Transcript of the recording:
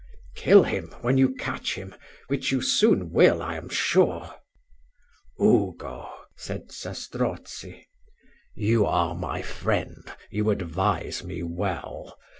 "Kill him when you catch him, which you soon will, I am sure." "Ugo," said Zastrozzi, "you are my friend; you advise me well.